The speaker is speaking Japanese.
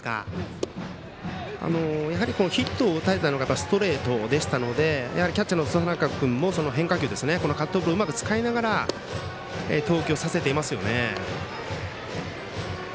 ヒットを打たれたのがストレートでしたのでキャッチャーの佐仲君も、変化球このカットボールをうまく使いながらストライクを誘い出せてます。